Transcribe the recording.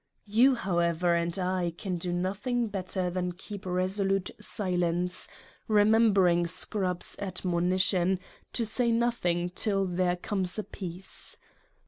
You, however, and / can do nothing better than keep resolute Silence, remembering Scrub's Admonition, to say nothing till there comes a Peace.